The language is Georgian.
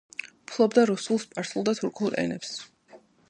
ფლობდა რუსულ, სპარსულ და თურქულ ენებს.